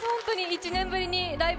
１年ぶりに「ライブ！